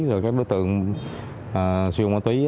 rồi các đối tượng sử dụng ma túy